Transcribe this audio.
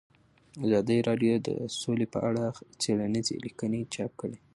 ازادي راډیو د سوله په اړه څېړنیزې لیکنې چاپ کړي.